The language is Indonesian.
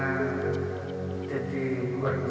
aku hayat memong captures